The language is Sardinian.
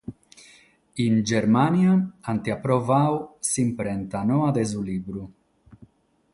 In Germània ant aprovadu s'imprenta noa de su libru.